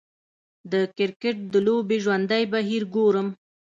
د کریکټ د لوبې ژوندی بهیر ګورم